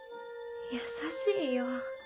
優しいよ。